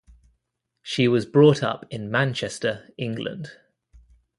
She was brought up in Manchester, England.